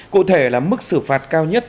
cụ thể là mức xử phạt cao nhất